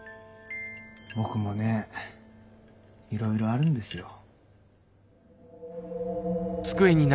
僕もねいろいろあるんですよ。